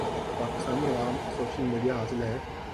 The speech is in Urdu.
پاکستانی عوام کو سوشل میڈیا حاصل ہے